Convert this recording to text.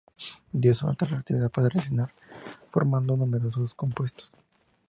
Debido a su alta reactividad puede reaccionar formando numerosos compuestos.